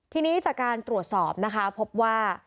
ทีนี้จากการตรวจสอบนะคะพบว่า